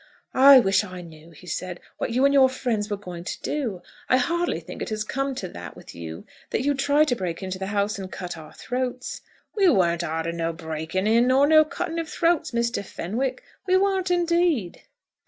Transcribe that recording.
"I wish I knew," he said, "what you and your friends were going to do. I hardly think it has come to that with you, that you'd try to break into the house and cut our throats." "We warn't after no breaking in, nor no cutting of throats, Mr. Fenwick. We warn't indeed!"